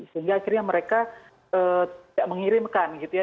sehingga akhirnya mereka tidak mengirimkan gitu ya